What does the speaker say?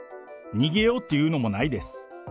逃げようっていうのもないです。